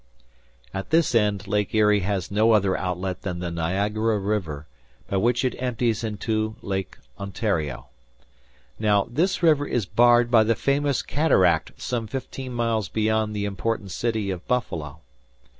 At this end Lake Erie has no other outlet than the Niagara River, by which it empties into Lake Ontario. Now, this river is barred by the famous cataract some fifteen miles beyond the important city of Buffalo.